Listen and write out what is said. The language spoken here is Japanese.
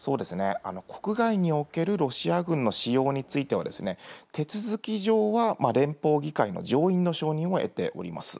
国外におけるロシア軍の使用については、手続き上は連邦議会の上院の承認を得ております。